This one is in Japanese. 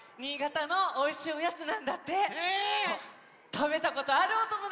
たべたことあるおともだち？